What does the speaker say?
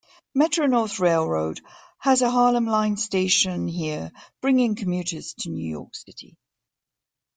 Metro-North Railroad has a Harlem Line station here, bringing commuters to New York City.